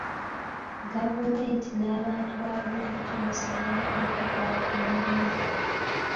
Gavumenti n'abantu ba bulijjo basobola okugaba emirimu.